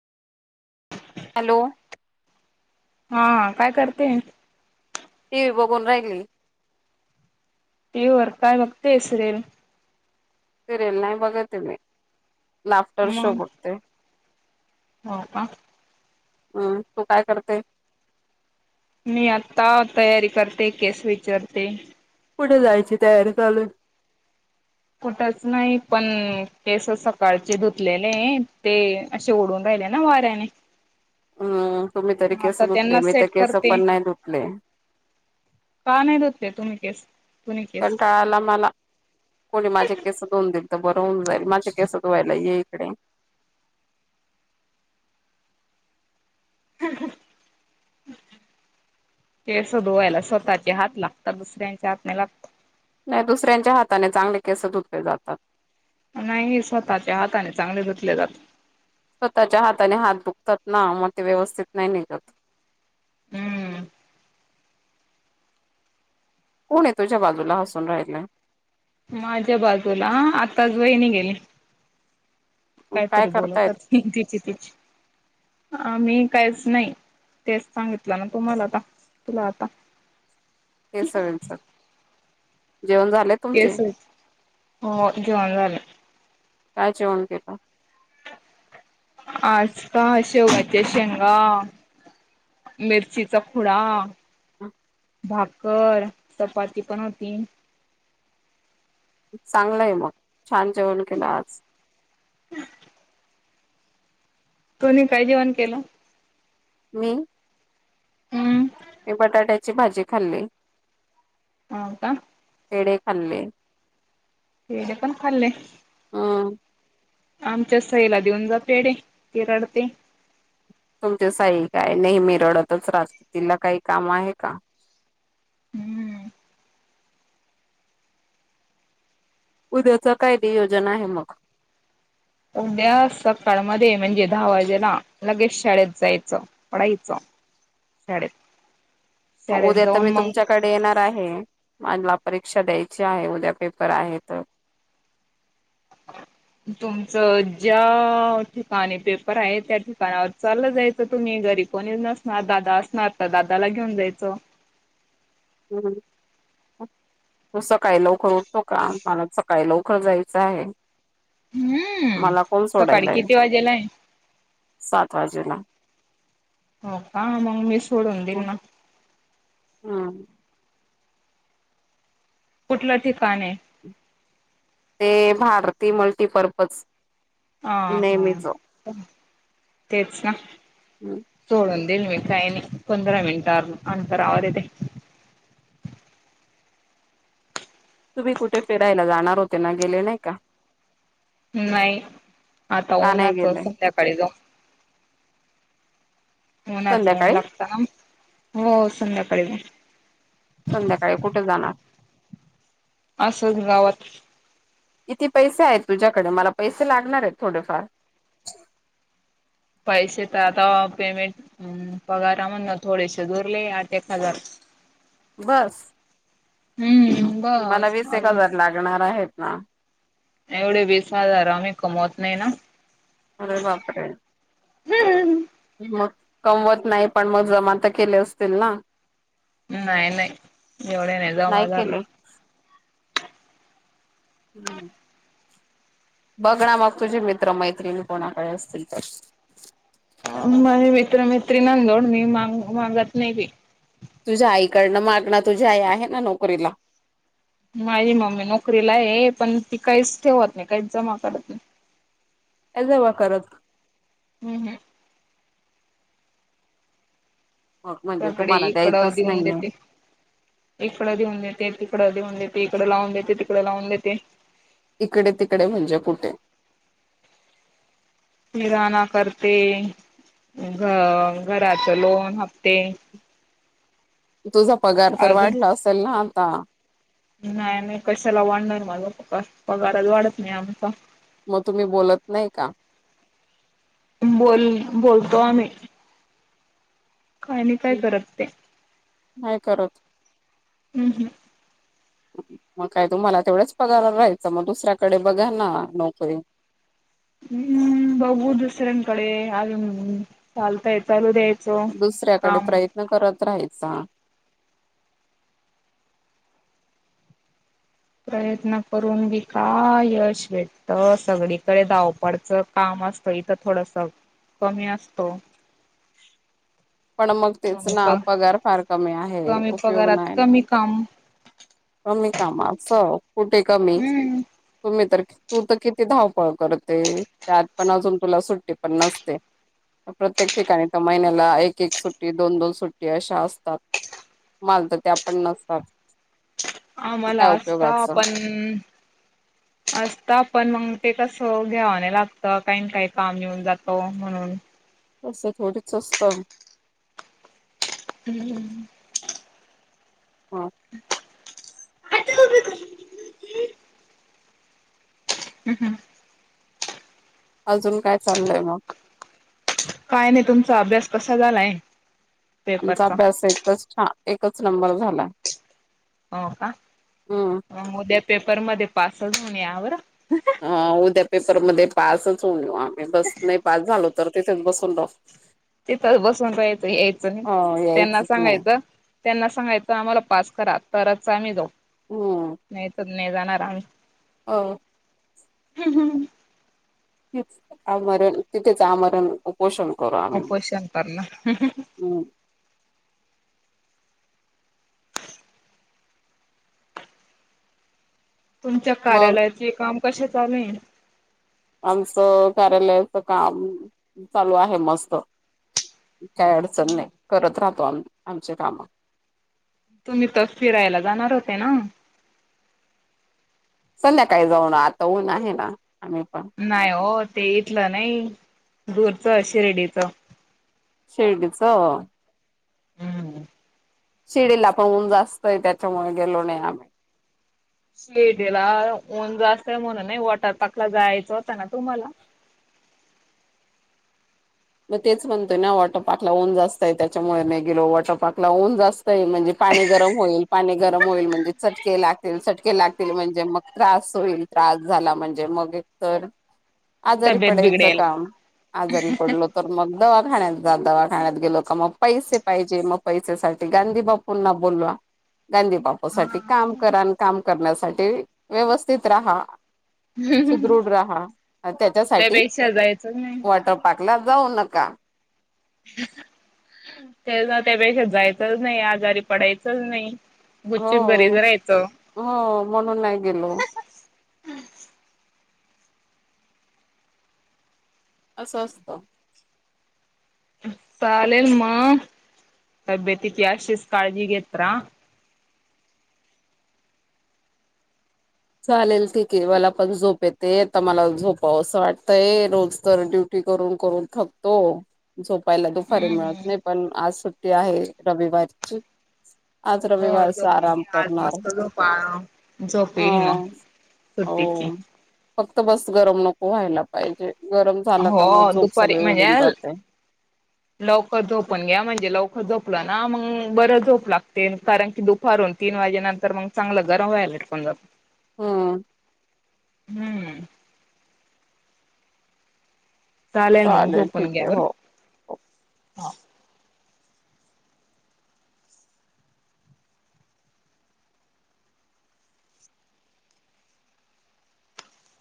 Hello. हा काय करते. ती वही बघून राहिली. तेर काय बघते हेसरेल. सिरिल नाही बघते मी लाफ्टर शो मग बघते. हो का? अम तू काय करते. मी आता तयारी करते केस विचारते. कुठे जायची तयारी चालून कुठच नाही पण केस सकाळचे धुतलेले ते अशे ओडंले ना वारनने. हम्म तुम्ही तरी कसधुतले त्यांना मी तर सेट केस करते पण नाही धुतले. का नाही द ते तुम्ही केस तु्ही केस. कंटाळाला मला कोणी माझे केस धऊन देईल तर बरं होऊन जाईल माझे केस धुवायला ये इकडे [unintelligible] केस धुवायला स्वतःचे हात लागतात दुसऱ्यांच्या हातने लाग. नाही दुसऱ्यांच्या हाताने चांगले केस धुतले जातात. नाही स्वतःच्या हाताने चांगले धुतले जातात. स्वतःच्या हाता आणि हात दुखतात ना मग ते व्यवस्थित नाही निघत. हम्म. कोण आहे तुझ्या बाजूला हसून राहिलंय. माझ्या बाजूला आताच वहिणी गेली काय काहीतरी करतायत बोलतच. हच. आ मी काहीच नाही तेच सांगितलं ना तुम्हाला आता तुला आता हे सगचर जेवण झाले तुमचे? केस हो जेवण झालं काय जेवण केेत आज का शेवच्या शेंगा मिरचीचा खुडा हम भाकर चपाती पण होती चांगलं आहे मग छान जेवण केलं आज हम् कोुणी काय जेवण केलं मी हम्म मी बटाट्याची भाजी खाल्ली. हो का? पेडे खाल्ले. हे दे पण खाल्ले ह आमच्या सईला देऊन जातेडे ते रडते तुमचे साई काय नेहमी रडतच राज तला काही काम आहे का हम्म उद्याच काय निेयोजन आहे मग उद्या सकाळमध्ये म्हणजे दहा वाजेला लगेच शाळेत जायचं पढा इच डे उद्या तर मी तुमच्याकडे येणार आहे. मला परीक्षा द्यायची आहे. उद्या पेपर आहे तर [inaudible] तुमचं ज्या ठिकाणी पेपर आहे त्या ठिकाणावर चालत जायचं. तुम्ही घरी कोण येऊ नसणार दादा असणार तर दादाला घेऊन जायचं. हम्. तू सकाळी लवकर उठतो का? मला सकाळी लवकर जायचं आहे. हम्म. मला कोण सकाळी सोडायला आहे किती वाजेला आहे? सात वाजेला? हो का मग मी सोडून दिईल ना. हम. कुठलं ठिकाण आहे? ते भारती मल्टीपर्पज ह हा नेहमीच तेच ना. हम्. सोडून दिईल मी काही नाही पंधरा मिनिटवर अंतरावर आहे ते. तुम्ही कुठे फिरायला जाणार होते ना, गेले नाही का? नाही आता का नाही उ्हाच गेले संध्याकाळी जाऊन उनच ऊन संध्याकाळी लागत ना. हो संध्याकाळी संध्याकाळी कुठे जाणार? असंच गावात किती पैसे आहेत तुझ्याकडे? मला पैसे लागणार आहेत थोडेफार. पैसे तर आता पेमेंट पगारा मधून थोडेसे उरले. एक हजार बस हम्म. मला बस वीस एक अजून हजार लागणार आहेत ना. एवढे वीस हजार आम्ही कमवत नाही ना. अरे बाप रे. हम्म. मग कमवत नाही पण मग जमा तर केले असतील ना नाही नाही एवढे नाही जमा झाले. हम्म. बघ ना मग तुझे मित्र मैत्रिणी कोणाकडे असतील तर. मझ मित्र मैत्रीनां जवळ मी माग मागत नाही. तुझ्या आईकडनं माग न तुझी आई आहे ना नोकरीला. माझी मम्मी नोकरीला आहे पण ती काहीच ठेवत नाही काहीच जमा करत नाही. नाही जमा करत. हम् हम. मग म्हणजे कडे तुम्हाला इकडं द्यायचंच देऊन नाहीये देते. इकड देऊन देते तिकड देऊन देते इकडे लावून देते तिकडें लावून देते. इकडे तिकडे म्हणजे कुठे? कीराणा करते घ घराच लोन हफ्ते. तुझा पगार तर अजून वाढला असेल ना आता. नाही नाही कशाला वाढणार माझा फक्का पगारच वाढत नाही आमचा. मग तुम्ही बोलत नाही का? बोल बोलतो आम्ही. का आणि काय करत ते. नाही करत. हम् हम. मग काय तुम्हाला तेवढंच पगार राहायचं मग दुसऱ्याकडे बघा ना नोकरी. हम्म बघू दुसर्यांन कडे अजून चालतंय चालू दे. दुसऱ्याकडे प्रयत्न करत राहायचा. प्रयत्न करून बी का यश भेटत, सगळीकडे धावपळचं. काम असत इथं थोडस कमी असतो. [inaudible] पण मग तेच कमी ना प पगार फार कमी आहे, कमी उपयोग पगारात नाही ना. कमी काम कमी काम असं, कुठे कमी हम्म तुम्ही तर तू तर किती धावपळ करते त्यात पण, अजून तुला सुट्टी पण नसते. प्रत्येक ठिकाणी तर महिन्याला एक एक सुट्टी दोन दोन सुट्टी अशा असतात, मला तर त्या पण नसतात. आम्हाला काय असता उपयोगाच पण असता पण, मग ते कसं घ्यावा न लागत काही ना काही काम येऊन जातो म्हणून. तसं थोडीचं असतं. ह ह ह. हा. [unintelligible] ह ह. अजून काय चाललंय मग? काय नाही, तुमचा अभ्यास कसा झालाय? आमचा पेपरचा अभ्यास एकच -एकच नंबर झाला. हो का, हम्म उद्या पेपर मध्ये पासचं होऊन या बरं. हो, उद्या पेपर मध्ये पासच होवून येवो आम्ही. बस नाही पास झालो तर, तिथेच बसून राहू. तिथं बसून राहायचं यायचं नाही, हो त्यांना यायचंच नाही सांगायचं त्यांना सांगायचं आम्हाला पास करा तरच, आम्ही जाऊ हम्म नाही तर नाही जाणार आम्ही. हो. ह ह. तेच आमरण तिथेच आमरण उपोषण करू आम्ही. उपोषण करणार. [unintelligible] ह. तुमच्या मग कार्यालयाचे काम कसे चालूयं? आमचं कार्यालयाचं काम चालू आहे मस्त. काय अडचण नाही, करत राहतो आम्ही आमचे काम. तुम्ही तर, फिरायला जाणार होते ना. संध्याकाळी जाऊन आता ऊन आहे ना, आम्ही पण. नाही हो, ते इथलं नाही दूरचं शिर्डीचं. शिर्डीचं ह ह. शिर्डीला पाऊस जास्तयं त्याच्यामुळे गेलो नाही, आम्ही. शिर्डीला ऊन जास्तयं म्हणून नाही, वॉटरपार्क ला जायचं होत ना तुम्हाला. मग तेच म्हणतोय ना, वॉटर पार्कला ऊन जास्तयं त्याच्या मुळे नाही गेलो, वॉटर पार्कला ऊन जास्त तयं म्हणजे पाणी गरम होईल, पाणी गरम होईल म्हणजे चटके लागतील चटके लागतील म्हणजे मग त्रास होईल. त्रास झाला म्हणजे मग एक तर आजारी तब्येत पडायचं बिघडेल काम आजारी पडलो तर मग दवाखान्यात जा दवाखान्यात गेलो का मग, पैसे पाहिजे मग पैसे साठी गांधी बा पुन्हा बोलवा गांधी बाब ओ हा साठी काम करा, आणि काम करण्यासाठी व्यवस्थित राहा. सुदृढ राहा, अण त्याच्यासाठी त्यापेक्षा जायचंच नाही वॉटर पार्कला जाऊ नका. ते ना त्या त्यापेक्षा जायचंच नाही, आजारी पडायचंच नाही. हो गुपचूप घरीच राहायचं हो, म्हणून नाही गेलो. असं असतं. चालेल म तबेतिची अशिच काळजी घेत रहा. चालेल ठीके मला पण झोप येते आता मला झोपावं असं वाटतंय रोज तर ड्यु टी करून करून थकतो झो पहिल्यांदा [unintelligible] हम्म मी पण आज सुट्टी आहे रविवारची. आज हो रविवारचा झोपून आराम घ्या आज करणार मस्त झोपा झोप ह येईल मग सुट्टीची. हो फक्त बस गरम नको व्हायला पाहिजे गरम झालं का मग हो झोप दुपारी सगळी म्हणजे उडून जाते. लवकर झोपून घ्या म्हणजे लवकर झोपलं ना मग बर झोप लागते कारण की दु भरून तीन वाजे नंतर मग चांगलं गरम व्हाय [unintelligible] जाते. हा. हम्म चालेल मग ठीक झोपून घ्या आहे बर. हो हो हा